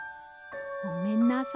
ごめんなさい。